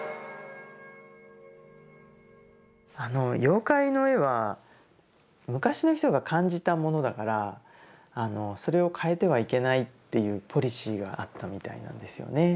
あの妖怪の絵は昔の人が感じたものだからそれを変えてはいけないっていうポリシーがあったみたいなんですよね。